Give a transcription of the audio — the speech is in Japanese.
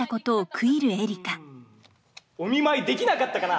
お見舞いできなかったかな？